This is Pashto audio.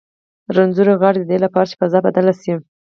رنځور غاړي د دې لپاره چې فضا بدله شي.